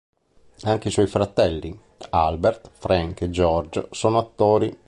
Anche i suoi fratelli Albert, Frank e George erano attori.